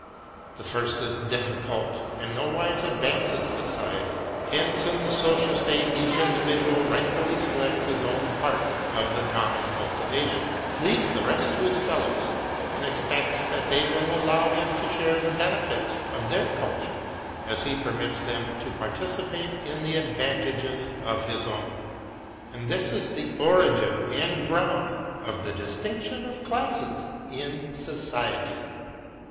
The first is difficult, and nowise advances society; — hence in the social state each individual right fully selects his own part of the common cultivation, leaves the rest to his fellows, and expects that they will allow him to share the benefits of their culture, as he permits them to participate in the advantages of his own: — and this is origin and ground of the distinction of classes in iety.